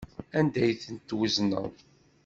Anda ay tent-twezneḍ?